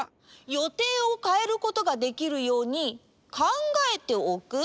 予定をかえることができるように考えておく？